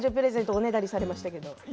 おねだりされましたけど。